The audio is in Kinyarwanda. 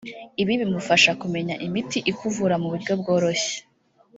Ibi bimufasha kumenya imiti ikuvura mu buryo bworoshye